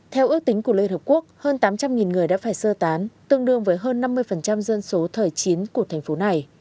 theo ước tính của liên hợp quốc hơn tám trăm linh người đã phải sơ tán tương đương với hơn năm mươi dân số thời chín của thành phố này